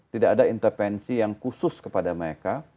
tidak ada intervensi yang khusus kepada mereka